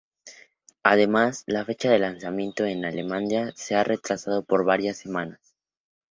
Además, la fecha de lanzamiento en Alemania se ha retrasado por varias semanas.